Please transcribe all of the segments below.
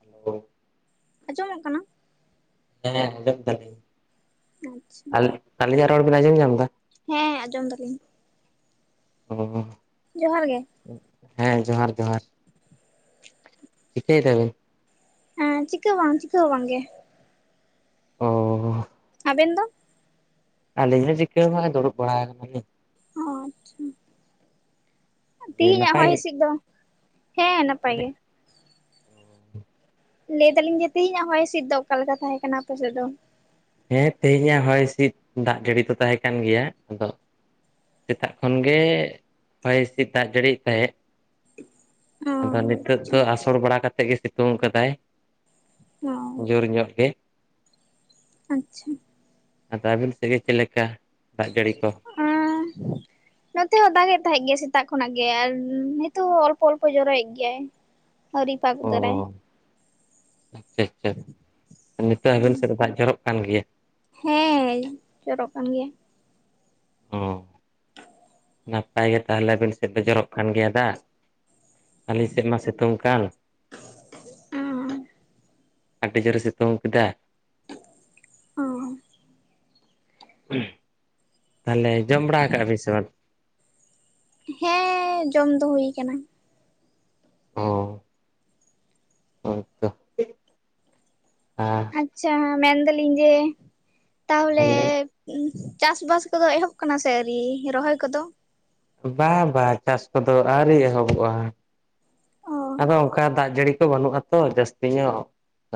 Hello ᱟᱸᱡᱚᱢᱚᱜ ᱠᱟᱱᱟ ᱦᱮᱸ ᱦᱮᱸ ᱟᱡᱚᱢ ᱫᱟᱞᱤᱝ ᱟᱪᱪᱷᱟ ᱟ ᱟᱞᱤᱧᱟᱼᱟᱜ ᱨᱚᱲ ᱵᱤᱱ ᱟᱸᱡᱚᱢ ᱧᱟᱢ ᱫᱟ ᱦᱮᱸ ᱟᱸᱡᱚᱢ ᱫᱟᱞᱤᱧ ᱚ ᱡᱚᱦᱟᱨ ᱜᱮ ᱦᱮᱸ ᱡᱚᱦᱟᱨ ᱡᱚᱦᱟᱨ ᱪᱤᱠᱟᱹᱭ ᱫᱟᱵᱮᱱ ᱦᱮᱸ ᱪᱤᱠᱟᱹ ᱦᱚ ᱵᱟᱝ ᱪᱤᱠᱟᱹ ᱦᱚ ᱵᱟᱝ ᱜᱮ ᱚᱻ ᱟᱵᱮᱱ ᱫᱚ ᱟᱹᱞᱤᱜ ᱦᱚ ᱪᱤᱠᱟᱹ ᱦᱚᱸ ᱵᱟᱝ ᱫᱩᱲᱩᱵ ᱵᱟᱲᱟ ᱟᱠᱟᱱᱟᱞᱤᱧ ᱚ ᱟᱪᱪᱷᱟ ᱫᱤᱭᱮ ᱛᱤᱦᱤᱱᱟᱜ ᱱᱟᱯᱟᱭ ᱦᱚᱭ ᱜᱮ ᱦᱤᱥᱤᱫ ᱫᱚ ᱦᱮᱸ ᱱᱟᱯᱟᱭ ᱜᱮ ᱞᱟᱹᱭ ᱫᱟᱞᱤᱝ ᱡᱮ ᱛᱮᱦᱮᱧᱟᱜ ᱦᱚᱭ ᱦᱤᱸᱥᱤᱫ ᱫᱚ ᱚᱠᱟ ᱞᱮᱠᱟ ᱛᱟᱦᱮᱸ ᱠᱟᱱᱟ ᱟᱯᱮᱥᱮᱫ ᱫᱚ ᱦᱮᱸ ᱛᱮᱦᱮᱧᱟᱜ ᱦᱚᱭ ᱦᱤᱸᱥᱤᱫ ᱫᱟᱜ ᱡᱟᱹᱲᱤ ᱫᱚ ᱛᱟᱦᱮᱸ ᱠᱟᱱ ᱜᱮᱭᱟ ᱟᱫᱚ ᱥᱮᱛᱟᱜ ᱠᱷᱚᱱ ᱜᱮ ᱦᱚᱭ ᱦᱤᱸᱥᱤᱫ ᱫᱟᱜ ᱡᱟᱹᱲᱤᱭᱮ ᱛᱟᱦᱮᱸᱫ ᱚ ᱟᱫᱚ ᱱᱤᱛᱚᱜ ᱫᱚ ᱟᱥᱚᱲ ᱵᱟᱲᱟ ᱠᱟᱛᱮᱫ ᱜᱮ ᱥᱤᱛᱩᱝ ᱠᱟᱫᱟᱭ ᱚ ᱡᱳᱨ ᱧᱚᱜ ᱜᱮ ᱟᱪᱪᱷᱟ ᱟᱫᱚ ᱟᱵᱤᱱ ᱥᱮᱫ ᱜᱮ ᱪᱮᱫ ᱞᱮᱠᱟ ᱫᱟᱜ ᱡᱟᱹᱲᱤ ᱠᱚ [unintelligible] ᱱᱚᱛᱮ ᱦᱚᱸ ᱫᱟᱜ ᱮ ᱛᱟᱦᱮᱸᱜ ᱜᱮᱭᱟ ᱥᱮᱛᱟᱜ ᱠᱷᱚᱱᱟᱜ ᱜᱮ ᱟᱨ ᱱᱤᱛᱚᱜ ᱦᱚ ᱚᱞᱯᱚ ᱚᱞᱯᱚ ᱡᱚᱨᱚᱭᱮᱫ ᱜᱮᱭᱟᱭ ᱦᱟᱨᱤ ᱯᱟᱜ ᱛᱟᱨᱮ ᱟᱪᱷᱟ ᱟᱪᱷᱟ ᱱᱤᱛᱚᱜ ᱦᱟᱵᱮᱱ ᱥᱮᱫ ᱫᱟᱜ ᱡᱚᱨᱚᱜ ᱠᱟᱱ ᱜᱮᱭᱟ ᱾ ᱦᱮᱸ ᱡᱚᱨᱚᱜ ᱠᱟᱱ ᱜᱮᱭᱟ ᱾ ᱚᱸ ᱻ᱾ ᱱᱟᱯᱟᱭ ᱜᱮ ᱛᱟᱦᱚᱞᱮ ᱟᱵᱤᱱ ᱥᱮᱫ ᱡᱚᱨᱚᱜ ᱠᱟᱱ ᱜᱮᱭᱟ ᱫᱟᱜ ᱾ ᱟᱹᱞᱤᱧ ᱥᱮᱫ ᱢᱟ ᱥᱤᱛᱩᱝ ᱠᱟᱱ ᱾ ᱟᱹᱰᱤ ᱡᱳᱨᱮ ᱥᱤᱛᱩᱝ ᱠᱮᱫᱟ ᱾ ᱚᱸᱻ ᱾ ᱛᱟᱦᱚᱞᱮ ᱡᱚᱢ ᱵᱟᱲᱟ ᱠᱟᱜ ᱵᱤᱱ ᱥᱮ ᱵᱟᱝ? ᱦᱮᱸ ᱡᱚᱢ ᱫᱚ ᱦᱩᱭ ᱠᱟᱱᱟ ᱾ ᱚ ᱦᱳᱭᱛᱚ ᱟᱨ ᱟᱪᱷᱟ ᱢᱮᱱᱫᱟᱞᱤᱧ ᱡᱮ ᱛᱟᱦᱚᱞᱮ ᱪᱟᱥ ᱵᱟᱥ ᱠᱚᱫᱚ ᱮᱦᱚᱵ ᱟᱠᱟᱱᱟ ᱥᱮ ᱟᱹᱶᱨᱤ ᱨᱚᱦᱚᱭ ᱠᱚᱫᱚ ᱾ ᱵᱟᱝ ᱵᱟᱝ ᱪᱟᱥ ᱠᱚᱫᱚ ᱟᱹᱣᱨᱤ ᱮᱦᱚᱵᱚᱜ-ᱟ ᱾ ᱚ ᱟᱫᱚ ᱚᱱᱠᱟ ᱫᱟᱜ ᱡᱟᱹᱲᱤ ᱠᱚ ᱵᱟᱹᱱᱩᱜ-ᱟ ᱾ ᱛᱚ ᱡᱟᱹᱥᱛᱤ ᱧᱚᱜ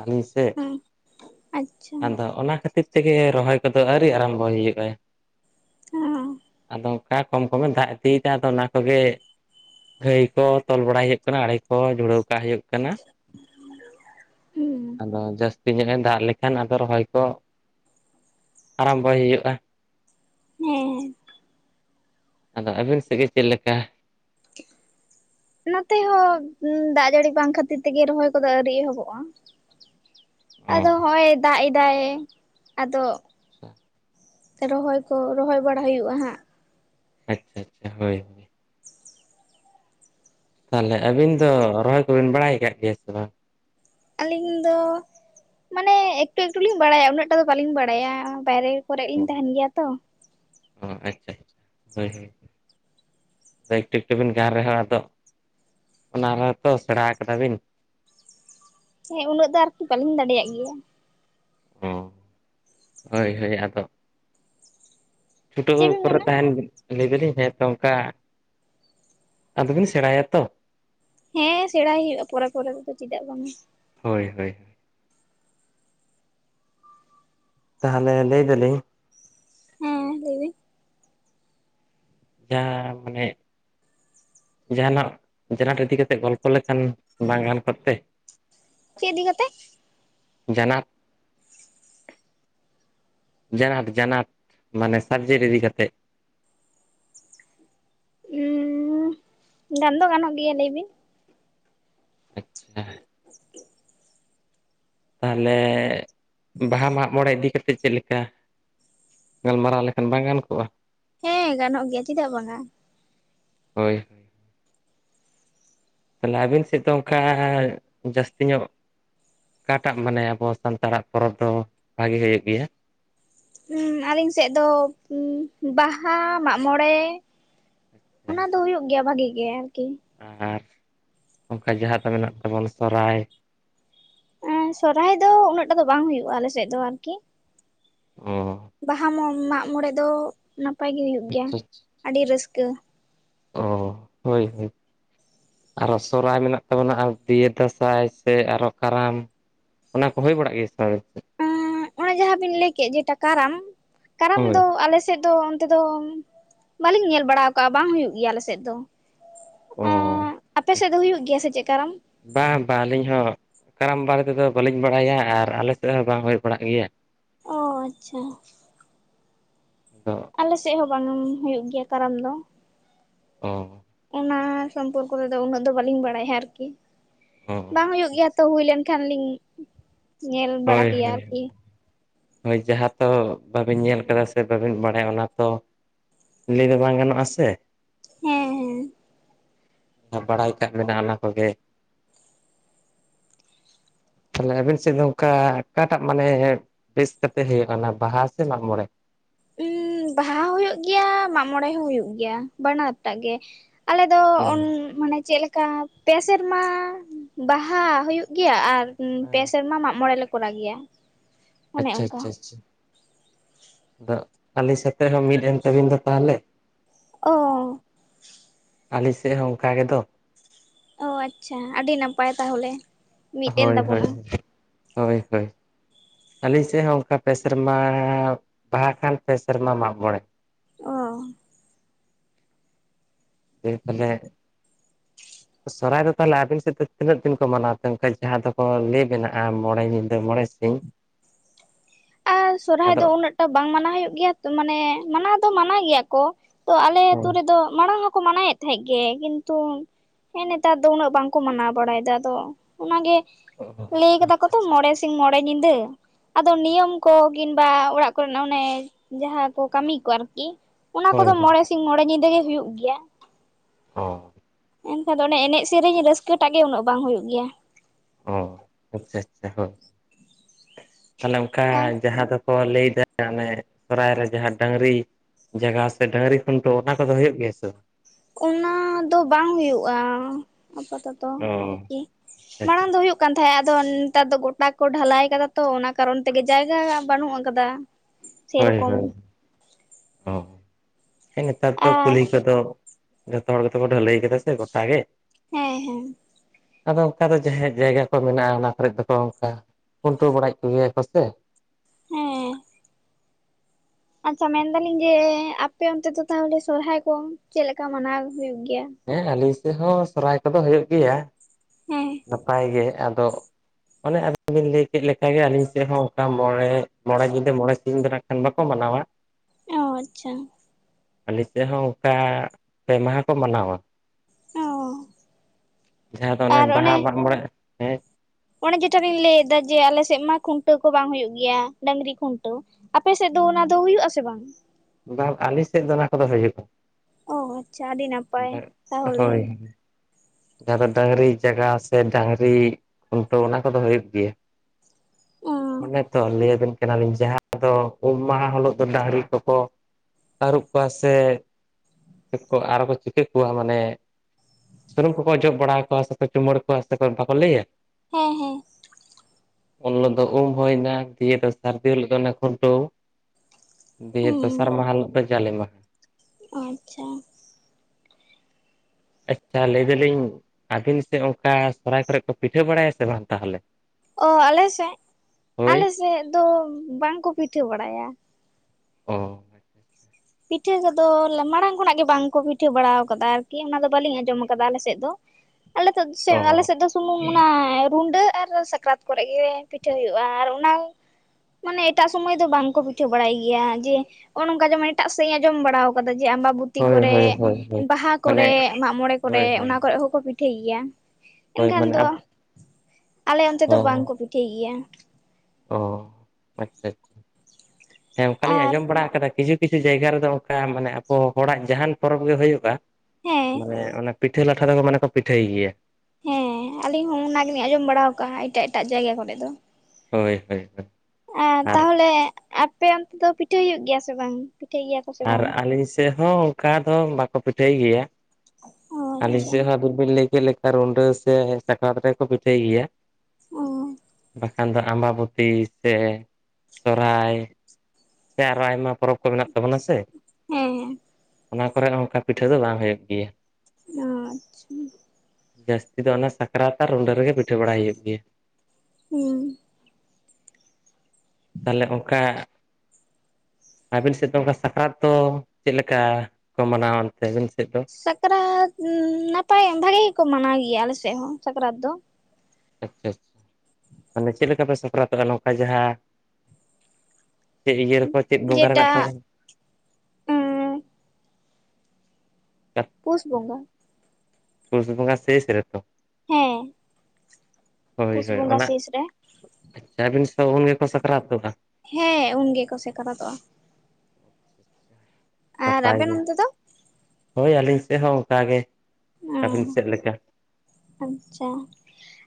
ᱟᱹᱞᱤᱧ ᱥᱮᱫ ᱦᱮᱸ ᱟᱪᱪᱷᱟ ᱟᱫᱚ ᱚᱱᱟ ᱠᱷᱟᱹᱛᱤᱨ ᱛᱮᱜᱮ ᱨᱚᱦᱚᱭ ᱠᱚᱫᱚ ᱟᱹᱣᱨᱤ ᱟᱨᱟᱢᱵᱚᱭ ᱦᱩᱭᱩᱜ-ᱟ ᱦᱚᱸ ᱟᱫᱚ ᱾ ᱚᱱᱠᱟ ᱠᱚᱢ ᱠᱚᱢᱮ ᱫᱟᱜ ᱤᱫᱤᱭᱮᱫᱟ ᱟᱫᱚ ᱚᱱᱟ ᱠᱚᱜᱮ ᱜᱷᱟᱹᱭ ᱠᱚ ᱛᱚᱞ ᱵᱟᱲᱟᱭ ᱦᱩᱭᱩᱜ ᱠᱟᱱᱟ ᱟᱲᱮ ᱠᱚ ᱠᱚ ᱡᱷᱩᱲᱟᱹᱣ ᱠᱟᱜ ᱦᱩᱭᱩᱜ ᱠᱟᱱᱟ ᱦᱩᱸ ᱟᱫᱚ ᱡᱟᱹᱥᱛᱤ ᱛᱮᱦᱮᱧ ᱡᱩᱫᱤ ᱫᱟᱜ ᱞᱮᱠᱷᱟᱱ ᱟᱫᱚ ᱨᱚᱦᱚᱭ ᱠᱚ ᱟᱨᱟᱢᱵᱚᱭ ᱦᱩᱭᱩᱜ-ᱟ᱾ ᱦᱮᱸᱻ ᱟᱫᱚ ᱟᱹᱵᱤᱱ ᱥᱮᱫ ᱜᱮ ᱪᱮᱫ ᱞᱮᱠᱟ ᱾ ᱱᱚᱛᱮ ᱦᱚ ᱫᱟᱜ ᱡᱟᱹᱲᱤ ᱵᱟᱝ ᱠᱷᱟᱹᱛᱤᱨ ᱛᱮᱜᱮ ᱨᱚᱦᱚᱭ ᱠᱚᱫᱚ ᱟᱹᱣᱨᱤ ᱮᱦᱚᱵᱚᱜ-ᱟ ᱾ ᱚ ᱟᱫᱚ ᱦᱚᱜ-ᱚᱭ ᱫᱟᱜ ᱮᱫᱟᱭ ᱟᱫᱚ [unintelligible] ᱨᱚᱦᱚᱭ ᱠᱚ ᱨᱚᱦᱚᱭ ᱵᱟᱲᱟ ᱦᱩᱭᱩᱜ-ᱟ ᱦᱟᱜ ᱾ ᱟᱪᱷᱟ ᱟᱪᱷᱟ ᱦᱳᱭ ᱛᱟᱦᱚᱞᱮ ᱟᱹᱵᱤᱱ ᱫᱚ ᱨᱚᱦᱚᱭ ᱠᱚᱵᱤᱱ ᱵᱟᱲᱟᱭ ᱟᱠᱟᱫ ᱜᱮᱭᱟ ᱥᱮ ᱵᱟᱝ? ᱟᱹᱞᱤᱧ ᱫᱚ ᱢᱟᱱᱮ ᱮᱠᱴᱩ ᱮᱠᱴᱩᱞᱤᱧ ᱵᱟᱲᱟᱭᱟ ᱩᱱᱟᱹᱜᱴᱟ ᱫᱚ ᱵᱟᱹᱞᱤᱧ ᱵᱟᱲᱟᱭᱟ ᱵᱟᱭᱨᱮ ᱠᱚᱨᱮᱜ ᱤᱧ ᱛᱟᱦᱮᱱ ᱜᱮᱭᱟ ᱛᱚ ᱚ ᱟᱪᱷᱟ ᱟᱪᱷᱟ ᱦᱳᱭ ᱦᱳᱭ ᱾ ᱟᱫᱚ ᱮᱠᱴᱩ ᱮᱠᱴᱩᱵᱤᱱ ᱜᱟᱱ ᱨᱮᱦᱚᱸ ᱟᱫᱚ ᱚᱱᱟ ᱨᱮᱛᱚ ᱥᱮᱬᱟ ᱟᱠᱟᱫᱟ ᱵᱤᱱ ᱦᱮᱸ ᱩᱱᱟᱹᱜ ᱫᱚ ᱟᱨᱠᱤ ᱵᱟᱹᱞᱤᱧ ᱫᱟᱲᱮᱭᱟᱜ ᱜᱮᱭᱟ ᱾ ᱚᱸ ᱦᱳᱭ ᱦᱳᱭ ᱟᱫᱚ ᱪᱷᱩᱴᱟᱹᱣ ᱪᱮᱫ ᱵᱤᱱ ᱠᱚᱨᱮ ᱢᱮᱱᱟ? ᱛᱟᱦᱮᱱ ᱵᱤᱱ ᱞᱟᱹᱭ ᱫᱟᱞᱤᱧ ᱦᱮᱸ ᱛᱚ ᱚᱱᱠᱟ ᱟᱫᱚᱵᱤᱱ ᱥᱮᱬᱟᱭᱟ ᱛᱚ ᱦᱮᱸ ᱥᱮᱬᱟᱭ ᱦᱩᱭᱩᱜ-ᱟ ᱯᱚᱨᱮ ᱯᱚᱨᱮ ᱨᱮᱫᱚ ᱪᱮᱫᱟᱜ ᱵᱟᱝ ᱦᱳᱭ ᱦᱳᱭ ᱛᱟᱦᱚᱞᱮ ᱞᱟᱹᱭ ᱫᱟᱞᱤᱧ ᱦᱮ ᱞᱟᱹᱭ ᱵᱤᱱ ᱡᱟᱦᱟᱸ ᱢᱟᱱᱮ ᱡᱟᱦᱟᱱᱟᱜ ᱡᱟᱱᱟᱴ ᱤᱫᱤ ᱠᱟᱛᱮ ᱜᱚᱞᱯᱚ ᱞᱮᱠᱷᱟᱱ ᱵᱟᱝ ᱜᱟᱱ ᱠᱚᱜ ᱛᱮ ᱪᱮᱫ ᱤᱫᱤ ᱠᱟᱛᱮ? ᱡᱟᱱᱟᱴ ᱡᱟᱱᱟᱴ ᱡᱟᱱᱟᱴ ᱢᱟᱱᱮ ᱥᱟᱵᱡᱮᱴ ᱤᱫᱤ ᱠᱟᱛᱮᱫ ᱜᱟᱱ ᱫᱚ ᱜᱟᱱᱚᱜ ᱜᱮᱭᱟ ᱞᱟᱹᱭᱵᱤᱱ ᱟᱪᱪᱷᱟ [inaudible] ᱛᱟᱦᱟᱞᱮ ᱵᱟᱦᱟ ᱢᱟᱜ ᱢᱚᱬᱮ ᱤᱫᱤ ᱠᱟᱛᱮᱜ ᱪᱮᱫ ᱞᱮᱠᱟ? ᱜᱟᱞᱢᱟᱨᱟᱣ ᱞᱮᱠᱷᱟᱱ ᱵᱟᱝ ᱜᱟᱱ ᱠᱚᱜᱼᱟ? ᱦᱮᱸ ᱜᱟᱱᱚᱜ ᱜᱮᱭᱟ ᱪᱮᱫᱟᱜ ᱵᱟᱝᱟ᱾ ᱦᱳᱭ ᱛᱟᱦᱞᱮ ᱟᱹᱵᱤᱱ ᱥᱮᱫ ᱫᱚ ᱚᱱᱠᱟ ᱡᱟᱹᱥᱛᱤ ᱧᱚᱜ ᱟᱠᱟᱴᱟᱜ ᱢᱟᱱᱮ ᱟᱵᱚ ᱥᱟᱱᱛᱟᱲᱟᱜ ᱯᱚᱨᱚᱵᱽ ᱫᱚ ᱵᱷᱟᱜᱮ ᱦᱳᱭᱳᱜ ᱜᱮᱭᱟ? ᱟᱹᱞᱤᱧ ᱥᱮᱫ ᱫᱚ ᱵᱟᱦᱟ, ᱢᱟᱜ ᱢᱚᱬᱮ᱾ ᱚᱱᱟ ᱫᱚ ᱦᱳᱭᱳᱜ ᱜᱮᱭᱟ ᱵᱷᱟᱜᱤ ᱜᱮ ᱟᱨᱠᱤ᱾ ᱟᱨ ᱚᱝᱠᱟ ᱡᱟᱦᱟᱸ ᱫᱚ ᱢᱮᱱᱟᱜ ᱛᱟᱵᱚᱱ ᱥᱚᱨᱟᱭ᱾ ᱥᱚᱨᱦᱟᱭ ᱫᱚ ᱩᱱᱟᱹᱜ ᱴᱟ ᱫᱚ ᱵᱟᱝ ᱦᱩᱭᱩᱜᱼᱟ ᱟᱞᱮᱥᱮᱫ ᱫᱚ ᱟᱨᱠᱤ᱾ ᱚ ᱵᱟᱦᱟ ᱢᱟᱜ ᱢᱚᱬᱮ ᱫᱚ ᱱᱟᱯᱟᱭ ᱜᱮ ᱦᱩᱭᱩᱜ ᱜᱮᱭᱟ ᱟᱪᱪᱷᱟ ᱟᱪᱪᱷᱟ ᱟᱹᱰᱤ ᱨᱟᱹᱥᱠᱟᱹ ᱚ ᱦᱳᱭ ᱦᱳᱭ ᱟᱨᱚ ᱥᱚᱨᱦᱟᱭ ᱢᱮᱱᱟᱜ ᱛᱟᱵᱚᱱᱟ ᱟᱨ ᱫᱤᱭᱮ ᱫᱟᱸᱥᱟᱭ ᱥᱮ ᱟᱨᱚ ᱠᱟᱨᱟᱢ ᱚᱱᱟ ᱠᱚ ᱦᱚᱭ ᱵᱟᱲᱟᱜ ᱜᱮᱭᱟ ᱥᱮᱼᱼ ᱩ ᱚᱱᱮ ᱡᱟᱦᱟᱸ ᱵᱤᱱ ᱞᱟᱹᱭ ᱠᱮᱫ ᱡᱮᱴᱟ ᱠᱟᱨᱟᱢ, ᱠᱟᱨᱟᱢ ᱦᱳᱭ ᱫᱚ ᱟᱞᱮᱥᱮᱫ ᱫᱚ ᱛᱮᱫᱚᱝ ᱵᱟᱹᱞᱤᱧ ᱧᱮᱞ ᱵᱟᱲᱟ ᱠᱟᱜᱼᱟ ᱵᱟᱝ ᱦᱩᱭᱩᱜ ᱜᱮᱭᱟ ᱟᱞᱮ ᱥᱮᱫ ᱫᱚ᱾ ᱚ ᱟᱸ ᱟᱯᱮ ᱥᱮᱫ ᱫᱚ ᱦᱩᱭᱩᱜ ᱜᱮᱭᱟ ᱥᱮ ᱪᱮᱫ ᱠᱟᱨᱟᱢ? ᱵᱟ ᱵᱟ ᱟᱹᱞᱤᱧ ᱦᱚᱸ ᱠᱟᱨᱟᱢ ᱵᱟᱨᱮ ᱛᱮᱫᱚ ᱵᱟᱹᱞᱤᱧ ᱵᱟᱲᱟᱭᱟ, ᱟᱨ ᱟᱞᱮ ᱥᱮᱫ ᱦᱚᱸ ᱵᱟᱝ ᱦᱳᱭ ᱵᱟᱲᱟᱜ ᱜᱮᱭᱟ᱾ ᱚ ᱟᱪᱪᱷᱟ ᱟᱫᱚ ᱟᱞᱮᱥᱮᱫ ᱦᱚᱸ ᱵᱟᱝ ᱦᱩᱭᱩᱜ ᱜᱮᱭᱟ ᱠᱟᱨᱟᱢ ᱫᱚ᱾ ᱚ ᱚᱱᱟ ᱥᱚᱢᱯᱚᱨᱠᱚ ᱛᱮᱫᱚ ᱩᱱᱟᱹᱜ ᱫᱚ ᱵᱟᱟᱹᱞᱤᱧ ᱵᱟᱲᱟᱭᱟ ᱟᱨᱠᱤ ᱚ ᱵᱟᱝ ᱦᱩᱭᱩᱜ ᱜᱮᱭᱟ ᱛᱚ ᱦᱩᱭ ᱞᱮᱱᱠᱷᱟᱱ ᱠᱷᱟᱱᱞᱤᱧ ᱦᱳᱭ ᱦᱳᱭ ᱦᱳᱭ ᱡᱟᱦᱟᱸ ᱛᱚ ᱵᱟᱵᱤᱱ ᱧᱮᱞ ᱠᱟᱫᱟ ᱥᱮ ᱵᱟᱵᱤᱱ ᱵᱟᱲᱟᱭᱟ ᱚᱱᱟ ᱛᱚ ᱞᱟᱹᱭ ᱫᱚ ᱵᱟᱝ ᱜᱟᱱᱚᱜᱼᱟ ᱥᱮ ᱾ ᱦᱮᱸ ᱦᱮᱸ ᱵᱟᱲᱟᱭ ᱠᱟᱜ ᱵᱮᱱᱟ ᱚᱱᱟ ᱠᱚᱜᱮ ᱛᱟᱦᱞᱮ ᱟᱵᱤᱱ ᱥᱮᱜ ᱫᱚ ᱚᱠᱟ ᱚᱠᱟᱴᱟᱜ ᱢᱟᱱᱮ ᱵᱮᱥ ᱠᱟᱛᱮ ᱦᱩᱭᱩᱜ ᱚᱱᱟ ᱵᱟᱦᱟ ᱥᱮ ᱢᱟᱜ, ᱢᱚᱬᱮ? ᱩᱸ ᱵᱟᱦᱟ ᱦᱚᱸ ᱦᱩᱭᱩᱜ ᱜᱮᱭᱟ, ᱢᱟᱜ ᱢᱚᱬᱮ ᱦᱚᱸ ᱦᱩᱭᱩᱜ ᱜᱮᱭᱟ ᱵᱟᱱᱟᱨ ᱴᱟᱜ ᱜᱮ᱾ ᱟᱞᱮᱫᱚ ᱚ ᱩᱱ ᱢᱟᱱᱮ ᱪᱮᱜ ᱞᱮᱠᱟ ᱯᱮ ᱥᱮᱨᱢᱟ ᱵᱟᱦᱟ ᱦᱩᱭᱩᱜ ᱜᱮᱭᱟ ᱟᱨ ᱩ ᱯᱮ ᱦᱮᱸ ᱥᱮᱨᱢᱟ ᱢᱟᱜ ᱢᱚᱬᱮ ᱞᱮ ᱠᱚᱨᱟᱣ ᱜᱮᱭᱟ᱾ ᱚᱱᱮ ᱟᱪᱪᱷᱟ ᱚᱱᱠᱟ ᱟᱪᱷᱟ ᱟᱪᱷᱟ ᱟᱫᱚ ᱟᱞᱤ ᱥᱟᱛᱮ ᱦᱚᱸ ᱢᱤᱫ ᱮᱱ ᱛᱟᱹᱵᱮᱱ ᱫᱚ ᱛᱟᱦᱟᱞᱮ? ᱚᱸ ᱟᱞ ᱥᱮᱫ ᱦᱚᱸ ᱚᱝᱠᱟ ᱜᱮᱫᱚ᱾ ᱚ ᱟᱪᱪᱷᱟ ᱟᱹᱰᱤ ᱱᱟᱯᱟᱭ ᱛᱟᱦᱚᱞᱮ᱾ ᱢᱤᱫ ᱮᱱ ᱦᱳᱭ ᱦᱳᱭ, ᱛᱟᱵᱚᱱᱟ ᱦᱳᱭ ᱦᱳᱭ ᱟᱹᱞᱤᱧ ᱥᱮᱜ ᱦᱚᱸ ᱚᱱᱠᱟ ᱯᱮ ᱥᱮᱨᱢᱟᱻᱵᱟᱦᱟ ᱠᱷᱟᱱ, ᱯᱮ ᱥᱮᱨᱢᱟ ᱢᱟᱜ ᱢᱚᱬᱮ᱾ ᱚᱸ [unintelligible] ᱛᱟᱞᱦᱮ [inaudible] ᱥᱚᱨᱚᱨᱟᱭ ᱫᱚ ᱛᱟᱦᱚᱞᱮ ᱟᱵᱤᱱ ᱥᱮᱫ ᱫᱚ ᱛᱤᱱᱟᱹᱜ ᱫᱤᱱ ᱠᱚ ᱢᱟᱱᱟᱣᱛᱮ ᱚᱱᱮ ᱡᱟᱦᱟᱸ ᱫᱚᱠᱚ ᱞᱟᱹᱭ ᱵᱮᱱᱟᱜᱼᱟ ᱢᱚᱬᱮ ᱧᱤᱫᱟᱹ ᱢᱚᱬᱮ ᱥᱤᱧ? [inaudible] ᱟᱨ ᱥᱚᱨᱦᱟᱭ ᱟᱫᱚ ᱫᱚ ᱩᱱᱟᱹᱜ ᱴᱟ ᱵᱟᱝ ᱢᱟᱱᱟᱣ ᱦᱩᱭᱩᱜ ᱜᱮᱭᱟ ᱢᱟᱱᱮ ᱢᱟᱱᱟᱣ ᱫᱚ ᱢᱟᱱᱟᱣ ᱜᱮᱭᱟ ᱠᱚ᱾ ᱟᱞᱮ ᱟᱛᱳ ᱨᱮᱫᱚ ᱢᱟᱲᱟᱝ ᱦᱚᱸᱠᱚ ᱢᱟᱱᱟᱣᱮᱫ ᱛᱟᱦᱮᱸᱫ ᱜᱮ ᱠᱤᱱᱛᱩ ᱦᱮᱸ ᱱᱮᱛᱟᱨ ᱫᱚ ᱩᱱᱟᱹᱜ ᱵᱟᱝᱠᱚ ᱢᱟᱱᱟᱣ ᱵᱟᱲᱟᱭᱮᱫᱟ ᱟᱫᱚ ᱚᱱᱟᱜᱮ ᱞᱟᱹᱭ ᱠᱟᱫᱟ ᱠᱚ ᱛᱚ ᱢᱚᱬᱮ ᱥᱤᱧ ᱢᱚᱬᱮ ᱧᱤᱫᱟᱹ ᱟᱫᱚ ᱱᱤᱭᱚᱢ ᱠᱚ ᱠᱤᱝᱵᱟ ᱚᱲᱟᱜ ᱠᱚᱨᱮᱱᱟᱜ ᱚᱱᱮ ᱡᱟᱦᱟᱸ ᱠᱚ ᱠᱟᱹᱢᱤ ᱠᱚ ᱟᱨᱠᱤ ᱚᱱᱟ ᱦᱳᱭ ᱠᱚᱫᱚ ᱦᱳᱭ ᱢᱚᱲᱬᱮ ᱥᱤᱧ ᱢᱚᱬᱮ ᱧᱤᱫᱟᱹ ᱜᱮ ᱦᱳᱭᱳᱜ ᱜᱮᱭᱟ ᱚ ᱮᱱᱠᱷᱟᱱ ᱫᱚ ᱚᱱᱮ ᱮᱱᱮᱡ ᱥᱮᱨᱮᱧ ᱨᱟᱹᱥᱠᱟᱹ ᱴᱟᱜ ᱜᱮ ᱩᱱᱟᱹᱜ ᱵᱟᱝ ᱦᱩᱭᱩᱜ ᱜᱮᱭᱟ ᱚ ᱟᱪᱪᱷᱟ ᱟᱪᱪᱷᱟ ᱦᱳᱭ ᱛᱟᱦᱚᱞᱮ ᱚᱱᱠᱟ ᱟᱸ ᱡᱟᱦᱟᱸ ᱫᱚᱠᱚ ᱞᱟᱹᱭᱫᱟ ᱚᱱᱮ ᱥᱚᱨᱚᱦᱟᱭ ᱨᱮ ᱡᱟᱦᱟᱸ ᱰᱟᱝᱨᱤ ᱡᱟᱭᱜᱟ ᱥᱮ ᱰᱟᱹᱝᱨᱤ ᱠᱷᱩᱱᱴᱟᱹᱣ ᱚᱱᱟ ᱠᱚᱫᱚ ᱦᱩᱭᱩᱜ ᱜᱮᱭᱟ ᱥᱮ ᱵᱟᱝ ᱚᱱᱟ ᱫᱚ ᱵᱟᱝ ᱦᱩᱭᱩᱜ-ᱟ ᱟᱯᱟᱛᱚᱛᱚ ᱚ ᱟᱨᱠᱤ ᱟᱪᱪᱷᱟ ᱟᱪᱪᱷᱟ ᱢᱟᱲᱟᱝ ᱫᱚ ᱦᱩᱭᱩᱜ ᱠᱟᱱᱟ ᱠᱟᱱ ᱛᱟᱦᱮᱸᱜ ᱟᱫᱚ ᱱᱮᱛᱟᱨ ᱫᱚ ᱜᱚᱴᱟ ᱠᱚ ᱰᱷᱟᱞᱟᱭ ᱠᱟᱫᱟ ᱛᱚ ᱚᱱᱟ ᱠᱟᱨᱚᱱ ᱛᱮᱜᱮ ᱡᱟᱭᱜᱟ ᱵᱟᱹᱱᱩᱜ ᱠᱟᱫᱟ᱾ ᱦᱳᱭ ᱦᱳᱭ ᱚ ᱱᱮᱛᱟᱨ ᱛᱚ ᱟᱨ ᱠᱩᱞᱦᱤ ᱠᱚᱫᱚ ᱡᱚᱛᱚ ᱦᱚᱲ ᱠᱚ ᱜᱮᱛᱮ ᱰᱮᱞᱟᱹᱭ ᱠᱟᱫᱟ ᱥᱮ ᱜᱚᱴᱟ ᱟᱜᱮ᱾ ᱦᱮᱸ ᱦᱮᱸ ᱟᱫᱚ ᱚᱱᱠᱟ ᱫᱚ ᱡᱟᱦᱟᱭᱟᱜ ᱡᱟᱭᱜᱟ ᱠᱚ ᱢᱮᱱᱟᱜ-ᱟ ᱚᱱᱟ ᱠᱚᱨᱮ ᱫᱚᱠᱚ ᱚᱱᱠᱟ ᱠᱩᱱᱴᱟᱹᱣ ᱵᱟᱲᱟᱭᱮᱫ ᱠᱚᱜᱮᱭᱟ ᱠᱚ ᱥᱮ ᱦᱮᱸ ᱟᱪᱪᱷᱟ ᱢᱮᱱᱫᱟᱞᱤᱧ ᱡᱮ ᱟᱯᱮ ᱚᱱᱛᱮ ᱫᱚ ᱛᱟᱦᱚᱞᱮ ᱥᱚᱨᱦᱟᱭ ᱠᱚ ᱪᱮᱫ ᱞᱮᱠᱟ ᱢᱟᱱᱟᱣ ᱦᱩᱭᱩᱜ ᱜᱮᱭᱟ? ᱦᱮᱸ ᱟᱹᱞᱤᱧ ᱥᱮᱫ ᱦᱚᱸ ᱥᱚᱨᱦᱟᱭ ᱠᱚᱫᱚ ᱦᱩᱭᱩᱜ ᱜᱮᱭᱟ ᱦᱮᱸ ᱱᱟᱯᱟᱭ ᱜᱮ ᱟᱫᱚ ᱚᱱᱮ ᱟᱵᱤᱱ ᱵᱤᱱ ᱞᱟᱹᱭ ᱠᱮᱫ ᱞᱮᱠᱟᱜ ᱜᱮ ᱟᱹᱞᱤᱧ ᱥᱮᱫ ᱦᱚᱸ ᱚᱱᱠᱟ ᱢᱚᱱᱮ ᱢᱚᱬᱮ ᱧᱤᱫᱟᱹ ᱢᱚᱬᱮ ᱥᱤᱧ ᱱᱟᱜ ᱠᱷᱟᱱ ᱵᱟᱠᱚ ᱢᱟᱱᱟᱣᱟ ᱟᱪᱪᱷᱟ ᱟᱞᱤᱧ ᱥᱮᱫ ᱦᱚᱸ ᱚᱱᱠᱟ ᱯᱮ ᱢᱟᱦᱟ ᱠᱚ ᱢᱟᱱᱟᱣᱟ ᱚ ᱡᱟᱦᱟᱸ ᱫᱚ ᱚᱱᱮ ᱵᱟᱦᱟ ᱢᱟᱜ ᱢᱚᱬᱮ ᱦᱮᱸ ᱚᱱᱮ ᱡᱮᱴᱟ ᱞᱤᱧ ᱞᱟᱹᱭ ᱮᱫᱟ ᱡᱮ ᱟᱞᱮᱥᱮᱫ ᱢᱟ ᱠᱷᱩᱱᱴᱟᱹ ᱠᱚ ᱵᱟᱝ ᱦᱳᱭᱳᱜ ᱜᱮᱭᱟ ᱰᱟᱹᱝᱨᱤ ᱠᱷᱩᱱᱴᱟᱹᱣ ᱟᱯᱮᱥᱮᱫ ᱫᱚ ᱚᱱᱟ ᱫᱚ ᱦᱩᱭᱩᱜ ᱟᱥᱮ ᱵᱟᱝ ᱵᱟᱝ ᱟᱹᱞᱤᱧ ᱥᱮᱫ ᱫᱚ ᱚᱱᱟ ᱠᱚᱫᱚ ᱦᱤᱭᱩᱜ-ᱟ ᱚ ᱟᱪᱪᱷᱟ ᱟᱹᱰᱤ ᱱᱟᱯᱟᱭ ᱵᱟᱜ ᱛᱟᱦᱚᱞᱮ ᱦᱳᱭ ᱡᱟᱦᱟᱸ ᱫᱚ ᱰᱟᱝᱨᱤ ᱡᱟᱜᱟᱣ ᱥᱮ ᱰᱟᱝᱨᱤ ᱠᱷᱩᱱᱴᱟᱹᱣ ᱚᱱᱟ ᱠᱚᱫᱚ ᱦᱩᱭᱩᱜ ᱜᱮᱭᱟ ᱚᱸ ᱚᱱᱮ ᱛᱚ ᱞᱟᱹᱭᱟᱵᱤᱱ ᱠᱟᱱᱟᱞᱤᱧ ᱡᱟᱦᱟᱸ ᱫᱚ ᱩᱢ ᱢᱟᱦᱟ ᱦᱤᱞᱳᱜ ᱫᱚ ᱰᱟᱹᱦᱨᱤ ᱠᱚᱠᱚ ᱟᱹᱨᱩᱵ ᱠᱚᱣᱟ ᱥᱮ ᱟᱨᱚ ᱠᱚ ᱪᱤᱠᱟᱹᱜ ᱠᱚᱣᱟ ᱢᱟᱱᱮ ᱥᱩᱱᱩᱢ ᱠᱚᱠᱚ ᱚᱡᱚᱜ ᱵᱟᱲᱟ ᱠᱚᱣᱟ ᱥᱮ ᱪᱩᱢᱟᱹᱲ ᱠᱚᱣᱟ ᱥᱮᱠᱚ ᱵᱟᱠᱚ ᱞᱟᱹᱭᱟ ᱦᱮᱸ ᱦᱮᱸ ᱩᱱ ᱦᱤᱞᱳᱜ ᱫᱚ ᱩᱢ ᱦᱩᱭᱱᱟ ᱫᱤᱭᱮ ᱫᱚᱥᱟᱹᱨ ᱫᱤᱱ ᱦᱤᱞᱳᱜ ᱫᱚ ᱠᱷᱩᱱᱴᱟᱹᱣ ᱫᱤᱭᱮ ᱦᱩᱸ ᱚᱠᱟ ᱦᱤᱞᱳᱜ ᱯᱮ ᱡᱟᱞᱮ ᱢᱟ ᱟᱪᱪᱷᱟ ᱟᱪᱪᱷᱟ ᱞᱟᱹᱭ ᱫᱟᱞᱤᱧ ᱟᱵᱤᱱ ᱥᱮᱫ ᱚᱱᱠᱟ ᱥᱚᱦᱚᱨᱟᱭ ᱠᱚᱨᱮ ᱠᱚ ᱯᱤᱴᱷᱟᱹ ᱵᱟᱲᱟᱭᱟ ᱥᱮ ᱵᱟᱝ ᱛᱟᱦᱚᱞᱮ ᱚ ᱟᱞᱮ ᱥᱮᱜ ᱦᱳᱭ ᱟᱞᱮ ᱥᱮᱜ ᱫᱚ ᱵᱟᱝᱠᱚ ᱯᱤᱴᱷᱟᱹ ᱵᱟᱲᱟᱭᱟ᱾ ᱚ ᱯᱤᱴᱷᱟᱹ ᱠᱚᱫᱚ ᱢᱟᱲᱟᱝ ᱠᱷᱚᱱᱟᱜ ᱜᱮ ᱵᱟᱝᱠᱚ ᱯᱤᱴᱷᱟᱹ ᱵᱟᱲᱟ ᱟᱠᱟᱫᱟ ᱟᱨᱠᱤ ᱚᱱᱟ ᱫᱚ ᱵᱟᱹᱞᱤᱧ ᱟᱸᱡᱚᱢ ᱠᱟᱫᱟ ᱟᱞᱮᱥᱮᱜ ᱫᱚ᱾ ᱟᱞᱮ ᱚ ᱥᱮᱫ ᱟᱞᱮ ᱥᱮᱫ ᱫᱚ ᱥᱩᱢᱩᱝ ᱚᱱᱟ ᱨᱩᱰᱟᱹ ᱟᱨ ᱥᱟ ᱠᱨᱟᱛ ᱠᱚᱨᱮᱜ ᱜᱮ ᱯᱤᱴᱷᱟᱹ ᱦᱩᱭᱩᱜ-ᱟ, ᱟᱨ ᱚᱱᱟ ᱢᱟᱱᱮ ᱮᱴᱟᱜ ᱥᱚᱢᱚᱭ ᱫᱚ ᱵᱟᱝᱠᱚ ᱯᱩᱴᱷᱟᱹ ᱵᱟᱲᱟᱭ ᱜᱮᱭᱟ, ᱡᱮ ᱱᱚᱜ-ᱚ ᱱᱚᱝᱠᱟ ᱡᱮᱢᱚ ᱮᱴᱟᱜ ᱥᱮᱫ ᱤᱧ ᱟᱸᱡᱚᱢ ᱵᱟᱲᱟ ᱟᱠᱟᱫᱟ ᱡᱮ ᱟᱢᱵᱟ ᱵᱩ ᱛᱤ ᱦᱳᱭ ᱦᱳᱭ ᱠᱚᱨᱮᱜ, ᱦᱳᱭ ᱦᱳᱭ ᱵᱟᱦᱟ ᱢᱟᱱᱮ ᱠᱚᱨᱮᱜ, ᱢᱟᱜ ᱢᱚᱬᱮ ᱦᱳᱭ ᱠᱚᱨᱮᱜ, ᱦᱳᱭ ᱚᱱᱟ ᱠᱚᱨᱮ ᱦᱚᱸᱠᱚ ᱯᱤᱴᱷᱟᱹᱭ ᱜᱮᱭᱟ᱾ ᱦᱳᱭ ᱮᱱᱠᱷᱟᱱ ᱢᱟᱱᱮ ᱫᱚ ᱟᱞᱮ ᱚᱱᱛᱮ ᱫᱚ ᱚ ᱵᱟᱝᱠᱚ ᱯᱤᱴᱷᱟᱹᱭ ᱜᱮᱭᱟ᱾ ᱚ ᱟᱪᱪᱷᱟ ᱟᱪᱪᱷᱟ ᱦᱮᱸ ᱚᱝᱠᱟᱞᱤᱧ ᱟᱨ ᱟᱸᱡᱚᱢ ᱵᱟᱲᱟᱣ ᱠᱟᱫᱟ ᱠᱤᱡᱩ ᱠᱤᱪᱷᱩ ᱡᱟᱭᱜᱟ ᱨᱮᱫᱚ ᱚᱝᱠᱟ ᱢᱟᱱᱮ ᱟᱵᱚ ᱦᱚᱲᱟᱜ ᱡᱟᱦᱟᱱ ᱯᱚᱨᱚᱵᱽ ᱜᱮ ᱦᱩᱭᱩᱜᱼᱟ ᱦᱮᱸ ᱢᱟᱱᱮ ᱚᱱᱟ ᱯᱤ ᱯᱤᱴᱷᱟᱹ ᱞᱟᱴᱷᱟ ᱢᱟᱱᱮ ᱠᱚ ᱯᱤᱴᱷᱟᱹᱭ ᱜᱮᱭᱟ᱾ ᱦᱮᱸ ᱟᱹᱞᱤᱧ ᱦᱚᱸ ᱚᱱᱟ ᱜᱮᱞᱤᱧ ᱟᱸᱡᱚᱢ ᱵᱟᱲᱟ ᱟᱠᱟᱜᱼᱟ ᱮᱴᱟᱜ ᱮᱴᱟᱜ ᱡᱟᱭᱜᱟ ᱠᱚᱨᱮᱜ ᱫᱚ᱾ ᱦᱳᱭ ᱦᱳᱭ ᱦᱳᱭ ᱟ ᱟᱨ ᱛᱟᱦᱚᱞᱮ ᱟᱯᱮ ᱚᱱᱛᱮ ᱫᱚ ᱯᱤᱴᱷᱟᱹ ᱦᱩᱭᱩᱜ ᱜᱮᱭᱟ ᱥᱮ ᱵᱟᱝ? ᱯᱤᱴᱷᱟᱹᱭ ᱜᱮᱭᱟ ᱠᱚ ᱥᱮ ᱟᱨ ᱵᱟᱝ ᱟᱹᱞᱤᱧ ᱥᱮᱜ ᱦᱚᱸ ᱚᱝᱠᱟ ᱫᱚ ᱵᱟᱠᱚ ᱯᱤᱴᱷᱟᱹᱭ ᱜᱮᱭᱟ ᱚ ᱟᱹᱞᱤᱧ ᱟᱪᱪᱷᱟ ᱥᱮᱜ ᱦᱚᱸ ᱵᱤᱱ ᱞᱟᱹᱭ ᱠᱮᱜ ᱞᱮᱠᱟ ᱨᱩᱰᱟᱹ ᱥᱮ ᱥᱟᱠᱨᱟᱛ ᱨᱮᱠᱚ ᱯᱤᱴᱷᱟᱹᱭ ᱜᱮᱭᱟ᱾ ᱚ ᱠᱷᱟᱱ ᱫᱚ ᱟᱢᱵᱟᱵᱚᱛᱤ ᱥᱮ ᱥᱚᱨᱦᱟᱭ ᱥᱮ ᱟᱨᱦᱚᱸ ᱟᱭᱢᱟ ᱯᱚᱨᱚᱵᱽ ᱠᱚ ᱢᱮᱱᱟᱜ ᱛᱟᱵᱚᱱᱟ ᱥᱮ᱾ ᱦᱮᱸ ᱚᱱᱟ ᱠᱚᱨᱮᱜ ᱦᱚᱸ ᱚᱝᱠᱟ ᱯᱤᱴᱷᱟᱹ ᱫᱚ ᱵᱟᱝ ᱦᱩᱭᱩᱜ ᱜᱮᱭᱟ᱾ ᱚ ᱟᱪᱪᱷᱟ ᱡᱟᱹᱥᱛᱤ ᱫᱚ ᱚᱱᱟ ᱥᱟᱠᱨᱟᱛ ᱟᱨ ᱨᱩᱰᱟᱹ ᱨᱮᱜᱮ ᱯᱤᱴᱷᱟᱹ ᱵᱟᱲᱟᱭ ᱦᱩᱭᱩᱜ ᱜᱮᱭᱟ᱾ ᱦᱩᱸ ᱛᱟᱦᱞᱮ ᱚᱝᱠᱟ ᱟᱹᱵᱤᱱ ᱥᱮᱫ ᱫᱚ ᱚᱝᱠᱟ ᱥᱟᱠᱨᱟᱛ ᱪᱮᱫ ᱞᱮᱠᱟ ᱠᱚ ᱢᱟᱱᱟᱣᱟ ᱮᱱᱛᱮ ᱟᱹᱵᱤᱱ ᱥᱮᱫ ᱫᱚ? ᱥᱟᱠᱨᱟᱛ ᱱᱟᱯᱟᱭ ᱵᱷᱟᱜᱮ ᱜᱮᱠᱚ ᱢᱟᱱᱟᱣ ᱜᱮᱭᱟ ᱟᱞᱮᱥᱮᱫ ᱦᱚᱸ ᱥᱟᱠᱨᱟᱛ ᱫᱚ᱾ ᱟᱪᱪᱷᱟ ᱟᱪᱪᱷᱟ ᱢᱟᱱᱮ ᱪᱮᱫ ᱞᱮᱠᱟ ᱯᱮ ᱥᱟᱠᱨᱟᱛᱚᱜᱼᱟ ᱱᱚᱝᱠᱟ ᱡᱟᱦᱟᱸ ᱪᱮᱫ ᱤᱭᱟᱹ ᱨᱮᱠᱚ ᱪᱮᱫ ᱵᱚᱸᱜᱟ ᱡᱮᱴᱟ ᱢᱮᱱᱟᱜ [unintelligible] [unintelligible] ᱯᱩᱥ ᱵᱚᱸᱜᱟ᱾ ᱯᱩᱥ ᱵᱚᱸᱜᱟ ᱥᱮᱥ ᱨᱮᱛᱚ ᱦᱮᱸ ᱦᱳᱭ ᱯᱩᱥ ᱦᱳᱭ ᱵᱚᱸᱜᱟ ᱚᱱᱟ ᱥᱮᱥ ᱨᱮ ᱟᱪᱪᱷᱟ ᱟᱵᱤᱱ ᱥᱮ ᱩᱱ ᱠᱚ ᱥᱟᱠᱨᱟᱛᱚᱜᱼᱟ? ᱦᱮᱸ ᱩᱱ ᱜᱮᱠᱚ ᱥᱮᱠᱨᱟᱛᱚᱜᱼᱟ [inaudible] ᱟᱨ ᱱᱟᱯᱟᱭ ᱟᱵᱮᱱ ᱜᱮ ᱚᱱᱛᱮ ᱫᱚ ᱦᱳᱭ ᱟᱹᱞᱤᱧ ᱥᱮᱜ ᱦᱚᱸ ᱚᱝᱠᱟᱜ ᱜᱮ ᱚ ᱟᱹᱵᱤᱱ ᱥᱮᱜ ᱞᱮᱠᱟ᱾ ᱟᱪᱪᱷᱟ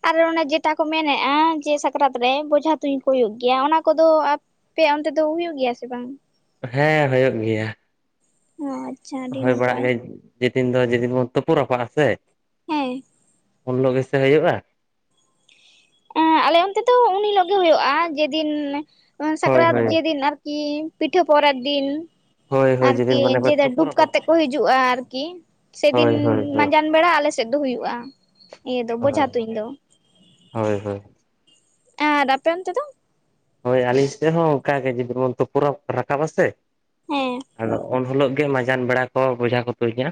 ᱟᱨ ᱚᱱᱮ ᱡᱮᱴᱟ ᱠᱚ ᱢᱮᱱᱮᱜᱼᱟ ᱡᱮ ᱥᱟᱠᱨᱟᱛ ᱨᱮ ᱵᱷᱚᱡᱷᱟ ᱛᱩᱧ ᱠᱚ ᱦᱩᱭᱩᱜ ᱜᱮᱭᱟ ᱚᱱᱟ ᱠᱚᱫᱚ ᱟᱯᱮᱭᱟᱜ ᱚᱱᱛᱮ ᱫᱚ ᱦᱩᱭᱩᱜ ᱜᱮᱭᱟ ᱥᱮ ᱵᱟᱝ? ᱦᱮᱸ ᱦᱩᱭᱳᱜ ᱜᱮᱭᱟ᱾ ᱚ ᱟᱪᱪᱷᱟ ᱟᱹᱰᱤ ᱦᱳᱭ ᱵᱟᱲᱟᱜ ᱱᱟᱯᱟᱭ ᱜᱮ ᱡᱮᱫᱤᱱ ᱫᱚ ᱡᱮᱫᱤᱱ ᱵᱚᱱ ᱛᱩᱯᱩ ᱨᱟᱯᱟᱜᱼᱟ ᱥᱮ᱾ ᱦᱮᱸ ᱩᱱ ᱦᱚᱞᱚᱜ ᱜᱮᱥᱮ ᱦᱩᱭᱩᱜᱼᱟ? ᱮᱸ ᱟᱞᱮ ᱚᱱᱛᱮ ᱛᱚ ᱩᱱ ᱦᱤᱞᱳᱜ ᱜᱮ ᱦᱩᱭᱩᱜᱼᱟ, ᱡᱮᱫᱤᱱ ᱦᱳᱭ ᱥᱟᱠᱨᱟᱛ ᱦᱳᱭ ᱡᱮᱫᱤᱱ ᱟᱨ ᱠᱤ ᱯᱤᱴᱷᱟᱹ ᱯᱚᱨᱮᱵ ᱫᱤᱱ ᱦᱳᱭ ᱦᱳᱭ ᱟᱨᱠᱤ ᱡᱮᱫᱤᱱ ᱢᱟᱱᱮ ᱵᱚᱱ ᱡᱮᱫᱟ ᱛᱩᱯᱩ ᱰᱩᱵ ᱨᱟᱯᱟᱜ ᱠᱟᱛᱮᱫ ᱠᱚ ᱦᱤᱡᱩᱜᱼᱟ ᱟᱨᱠᱤ᱾ ᱥᱮᱫᱤᱱ ᱦᱳᱭ ᱦᱳᱭ ᱦᱳᱭ ᱢᱟᱸᱡᱟᱱ ᱵᱮᱲᱟ ᱟᱞᱥᱮᱫ ᱫᱚ ᱦᱩᱭᱩᱜᱼᱟ ᱤᱭᱟᱹ ᱫᱚ ᱵᱚᱡᱷᱟ ᱛᱩᱧ ᱫᱚ᱾ ᱦᱳᱭ ᱦᱳᱭ ᱮ ᱫᱟᱫᱟ ᱟᱯᱮ ᱚᱱᱛᱮ ᱫᱚ ᱦᱳᱭ ᱟᱹᱞᱤᱧ ᱥᱮᱫ ᱦᱚᱸ ᱚᱱᱠᱟᱜ ᱜᱮ ᱡᱩᱫᱤ ᱵᱚᱱ ᱛᱩᱯᱩ ᱨᱟᱠᱟᱵᱟᱥᱮ ᱦᱮᱸ ᱟᱫᱚ ᱩᱱ ᱦᱤᱞᱳᱜ ᱜᱮ ᱢᱟᱡᱟᱱ ᱵᱮᱲᱟ ᱠᱚ ᱵᱷᱮᱡᱟ ᱠᱚ ᱛᱩᱧᱟ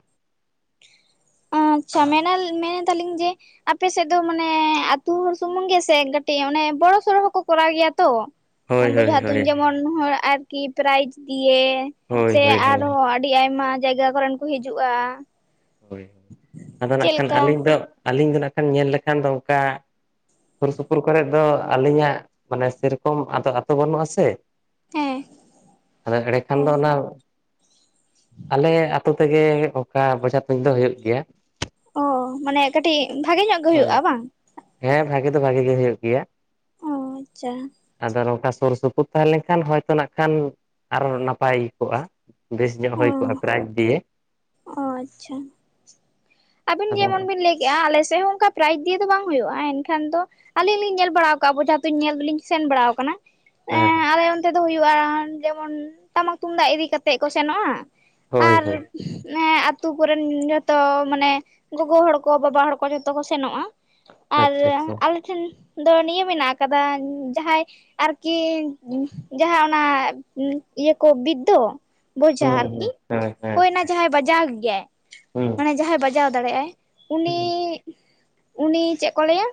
ᱟᱪᱪᱷᱟ ᱢᱮᱱ ᱢᱮᱱᱮᱫ ᱮᱫᱟᱞᱤᱧ ᱡᱮ ᱟᱯᱮ ᱥᱮᱫ ᱫᱚ ᱢᱟᱱᱮ ᱟᱹᱛᱩ ᱦᱚᱲ ᱥᱩᱢᱩᱝ ᱜᱮᱥᱮ ᱠᱟᱹᱴᱤᱡ ᱚᱱᱮ ᱵᱚᱲᱚ ᱥᱚᱲᱚ ᱦᱚᱸᱠᱚ ᱠᱚᱨᱟᱣ ᱜᱮᱭᱟ ᱛᱚ ᱦᱳᱭ ᱦᱳᱭ ᱵᱮᱡᱷᱟ ᱦᱳᱭ ᱛᱩᱧ ᱡᱮᱢᱚᱱ ᱦᱚᱲ ᱟᱨᱠᱤ ᱯᱨᱟᱭᱤᱡ ᱫᱤᱭᱮ ᱦᱳᱭ ᱥᱮ ᱦᱳᱭ ᱦᱳᱭ ᱟᱨᱦᱚᱸ ᱟᱹᱰᱤ ᱟᱭᱢᱟ ᱡᱟᱭᱜᱟ ᱠᱚᱨᱮᱱ ᱠᱚ ᱦᱤᱡᱩᱜ-ᱟ ᱦᱳᱭ ᱟᱫᱚ ᱱᱟᱜ ᱠᱷᱟᱱ ᱟᱹᱞᱤᱧ ᱫᱚ ᱟᱹᱞᱤᱧ ᱫᱚ ᱱᱟᱜ ᱠᱷᱟᱱ ᱧᱮᱞ ᱞᱮᱠᱷᱟᱱ ᱫᱚ ᱚᱱᱠᱟ ᱥᱩᱨ ᱥᱩᱯᱩᱨ ᱠᱚᱨᱮ ᱫᱚ ᱟᱹᱞᱤᱧᱟᱜ ᱢᱟᱱᱮ ᱥᱮᱨᱚᱠᱚᱢ ᱟᱫᱚ ᱟᱛᱳ ᱵᱟᱹᱱᱩᱜ ᱟᱥᱮ ᱦᱮᱸ ᱟᱫᱚ ᱮᱸᱰᱮᱠᱷᱟᱱ ᱫᱚ ᱚ ᱚᱱᱟ ᱟᱞᱮ ᱟᱛᱳ ᱛᱮᱜᱮ ᱚᱱᱠᱟ ᱵᱚᱡᱷᱟ ᱛᱩᱧ ᱫᱚ ᱦᱩᱭᱩᱜ ᱜᱮᱭᱟ ᱚ ᱢᱟᱱᱮ ᱠᱟᱹᱴᱤᱡ ᱵᱷᱟᱜᱮ ᱧᱚᱜ ᱜᱮ ᱦᱳᱭ ᱦᱩᱭᱩᱜ-ᱟ ᱵᱟᱝ ᱦᱮᱸ ᱵᱷᱟᱜᱤ ᱫᱚ ᱵᱷᱟᱜᱤ ᱜᱮ ᱦᱩᱭᱩᱜ ᱜᱮᱭᱟ ᱚ ᱟᱪᱪᱷᱟ ᱟᱫᱚ ᱱᱚᱝᱠᱟ ᱥᱩᱨ ᱥᱩᱯᱩᱨ ᱛᱟᱦᱮᱸ ᱞᱮᱱᱠᱷᱟᱱ ᱦᱚᱭᱛᱚ ᱱᱟᱜ ᱠᱷᱟᱱ ᱟᱨᱚ ᱱᱟᱯᱟᱭ ᱦᱩᱭ ᱠᱚᱜ-ᱟ ᱵᱮᱥ ᱧᱚᱜ ᱚ ᱦᱩᱭ ᱠᱚᱜ-ᱟ ᱯᱨᱟᱭᱤᱡᱽ ᱫᱤᱭᱮ ᱚ ᱟᱪᱪᱷᱟ ᱟᱹᱵᱤᱱ ᱟᱫᱚ ᱡᱮᱢᱚᱱ ᱵᱤᱱ ᱞᱟᱹᱭ ᱠᱮᱜ-ᱟ ᱟᱞᱮ ᱥᱮᱫ ᱦᱚ ᱚᱱᱠᱟ ᱯᱨᱟᱭᱤᱡ ᱫᱤᱭᱮ ᱫᱚ ᱵᱟᱝ ᱦᱩᱭᱩᱜ-ᱟ ᱮᱱᱠᱷᱟᱱ ᱫᱚ ᱟᱹᱞᱤᱧ ᱞᱤᱧ ᱧᱮᱞ ᱵᱟᱲᱟ ᱟᱠᱟᱫ-ᱟ ᱵᱮᱡᱷᱟ ᱛᱤᱧ ᱧᱮᱞ ᱫᱚ ᱞᱤᱧ ᱥᱮᱱ ᱵᱟᱲᱟ ᱟᱠᱟᱱᱟ ᱦᱮᱸ ᱟᱞᱮ ᱚᱱᱛᱮ ᱫᱚ ᱦᱩᱭᱩᱜ-ᱟ ᱡᱮᱢᱚᱱ ᱴᱟᱢᱟᱠ ᱛᱩᱢᱫᱟᱜ ᱤᱫᱤ ᱠᱟᱛᱮ ᱠᱚ ᱥᱮᱱᱚᱜ-ᱟ ᱦᱳᱭ ᱦᱳᱭ ᱱᱚᱣᱟ ᱟᱛᱳ ᱠᱚᱨᱮᱱ ᱡᱚᱛᱚ ᱢᱟᱱᱮ ᱜᱚᱜᱚ ᱦᱚᱲ ᱠᱚ ᱵᱟᱵᱟ ᱦᱚᱲ ᱠᱚ ᱡᱚᱛᱚ ᱠᱚ ᱥᱮᱱᱚᱜ-ᱟ ᱟᱨ ᱟᱪᱪᱷᱟ ᱟᱪᱪᱷᱟ ᱟᱞᱮ ᱴᱷᱮᱱ ᱫᱚ ᱱᱤᱭᱟᱹ ᱢᱮᱱᱟᱜ ᱟᱠᱟᱫᱟ ᱡᱟᱦᱟᱸᱭ ᱟᱨᱠᱤ ᱡᱟᱦᱟᱸ ᱚᱱᱟ ᱤᱭᱟᱹ ᱠᱚ ᱵᱤᱫᱽ ᱫᱚ ᱵᱚᱡᱷᱟ ᱦᱩᱸ ᱟᱨᱠᱤ ᱦᱩᱸ ᱦᱮᱸ ᱦᱮᱸ ᱦᱳᱭ ᱚᱱᱟ ᱡᱟᱦᱟᱭ ᱵᱟᱡᱟᱣ ᱜᱮᱭᱟᱭ ᱦᱩᱸ ᱢᱟᱱᱮ ᱡᱟᱦᱟᱸᱭ ᱵᱟᱡᱟᱣ ᱫᱟᱲᱮᱭᱟᱜ-ᱟᱭ ᱩᱱᱤ ᱦᱩᱸ ᱩᱱᱤ ᱪᱮᱫ ᱠᱚ ᱞᱟᱹᱭᱟ